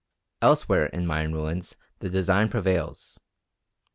Elsewhere in Mayan ruins the design prevails.